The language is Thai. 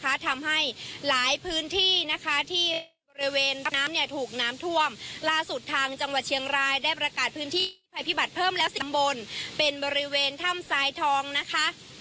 ทำให้หลายพื้นที่นะคะที่บริเวณน้ำเนี่ยถูกน้ำท่วมล่าสุดทางจังหวัดเชียงรายได้ประกาศพื้นที่ภัยพิบัตรเพิ่มแล้วสิบบนเป็นบริเวณถ้ำทรายทองนะคะ